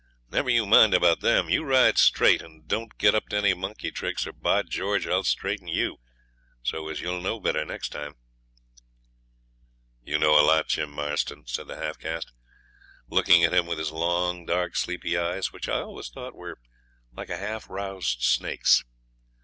'Never you mind about them. You ride straight, and don't get up to any monkey tricks, or, by George, I'll straighten you, so as you'll know better next time.' 'You know a lot, Jim Marston,' said the half caste, looking at him with his long dark sleepy eyes which I always thought were like a half roused snake's.